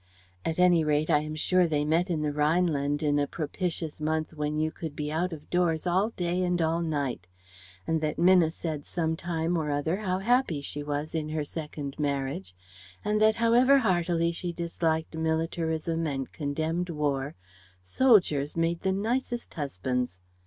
At any rate I am sure they met in the Rhineland in a propitious month when you could be out of doors all day and all night; and that Minna said some time or other how happy she was in her second marriage, and that however heartily she disliked militarism and condemned War, soldiers made the nicest husbands.